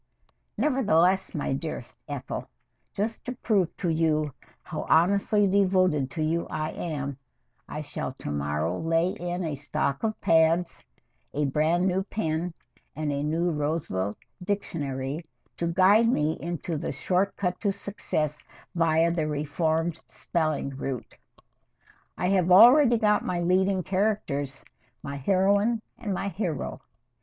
Nevertheless, my dearest Ethel, just to prove to you how honestly devoted to you I am, I shall to morrow lay in a stock of pads, a brand new pen, and a new Roosevelt Dictionary to guide me into the short cut to success via the Reformed Spelling Route. I have already got my leading characters my heroine and my hero.